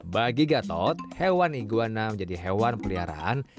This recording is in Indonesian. bagi gatot hewan iguana menjadi hewan peliharaan